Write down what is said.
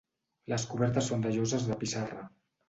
Les cobertes són de lloses de pissarra.